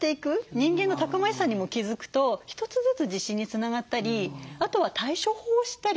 人間のたくましさにも気付くと一つずつ自信につながったりあとは対処法を知ったり。